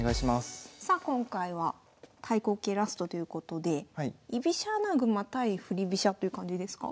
さあ今回は対抗形ラストということで居飛車穴熊対振り飛車という感じですか？